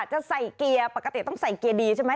จะใส่เกียร์ปกติต้องใส่เกียร์ดีใช่ไหม